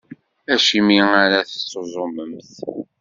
Acimi ara tuẓumemt?